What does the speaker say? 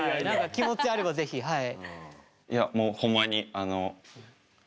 気持ちあれば是非はい。